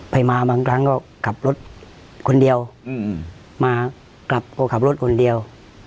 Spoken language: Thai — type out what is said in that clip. ไปมาบางครั้งก็ขับรถคนเดียวมากลับก็ขับรถคนเดียว